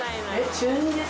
中２です。